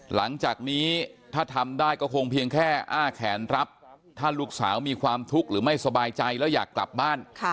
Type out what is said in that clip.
หลังจากนี้ถ้าทำได้ก็คงเพียงแค่อ้าแขนรับถ้าลูกสาวมีความทุกข์หรือไม่สบายใจแล้วอยากกลับบ้าน